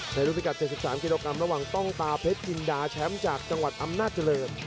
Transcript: รุ่นพิกัด๗๓กิโลกรัมระหว่างต้องตาเพชรจินดาแชมป์จากจังหวัดอำนาจเจริญ